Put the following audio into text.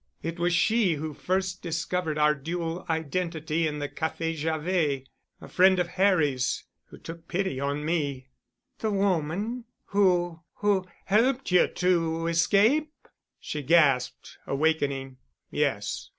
"It was she who first discovered our dual identity in the Café Javet—a friend of Harry's—who took pity on me." "The woman—who—who—helped you to escape?" she gasped, awakening. "Yes.